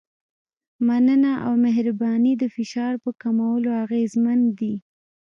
مننه او مهرباني د فشار په کمولو اغېزمن دي.